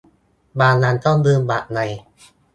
บางวันก็ลืมบัตรไง